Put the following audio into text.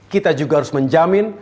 kita juga harus menjamin